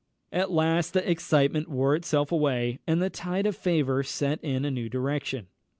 At last the excitement wore itself away, and the tide of favour set in a new direction.